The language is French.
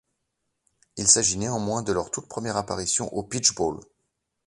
Il s'agit néanmoins de leur toute première apparition au Peach Bowl.